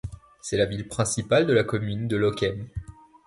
C'est la ville principale de la commune de Lochem.